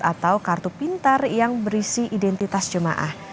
atau kartu pintar yang berisi identitas jemaah